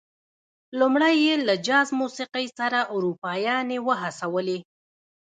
لومړی یې له جاز موسيقۍ سره اروپايانې وهڅولې.